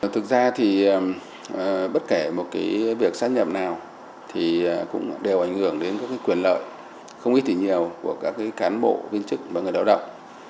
thực ra thì bất kể một cái việc sát nhập nào thì cũng đều ảnh hưởng đến các quyền lợi không ít tỷ nhiều của các cán bộ viên chức và người lao động